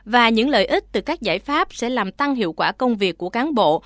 và những lợi ích từ các giải pháp sẽ làm tăng hiệu quả công việc của cán bộ